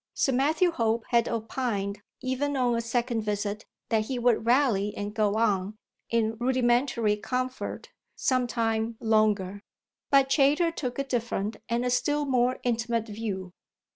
Sir Matthew Hope had opined even on a second visit that he would rally and go on, in rudimentary comfort, some time longer; but Chayter took a different and a still more intimate view.